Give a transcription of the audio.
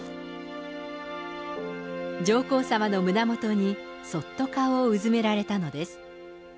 上皇さまの胸もとに、そっと顔をうずめられたのです。